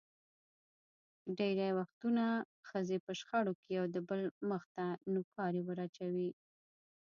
ډېری وختونه ښځې په شخړو کې یو دبل مخ ته نوکارې ور اچوي.